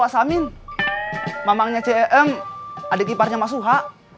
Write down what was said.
samin mamangnya cem adik iparnya mas suha